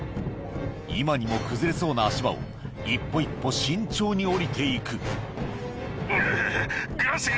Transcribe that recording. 今にも崩れそうな足場を一歩一歩慎重に下りていくうぅ。